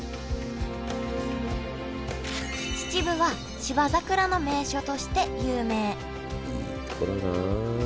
秩父は芝桜の名所として有名いい所だなあ。